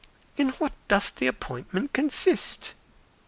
"In what does the appointment consist?"